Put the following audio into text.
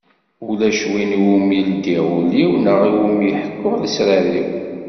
Ulac win i wumi ldiɣ ul-iw neɣ i wumi ḥekkuɣ lesrar-iw.